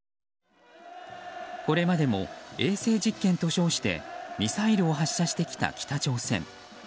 これまでも衛星実験と称してミサイルを発射してきた北朝鮮。